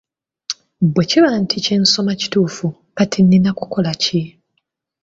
Bwe kiba nti kyensoma kituufu, kati nnina kukola ki?